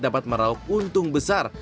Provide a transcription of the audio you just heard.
dapat merauk untung besar